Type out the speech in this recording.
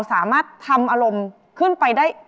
สามารถทำอารมณ์ขึ้นไปได้